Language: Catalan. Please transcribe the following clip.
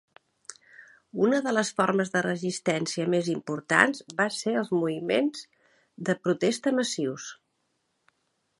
Una de les formes de resistència més importants va ser els moviments de protesta massius.